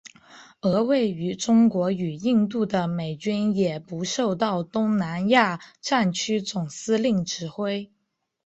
而位于中国与印度的美军也不受到东南亚战区总司令指挥。